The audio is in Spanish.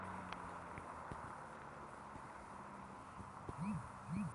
Esta había sido la primera batalla de caballería entre mapuches y españoles.